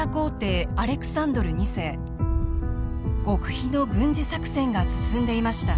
極秘の軍事作戦が進んでいました。